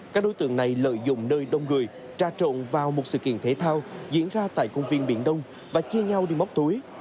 các đối tượng này lợi dụng nơi đông người trà trộn vào một sự kiện thể thao diễn ra tại công viên biển đông và chia nhau đi móc túi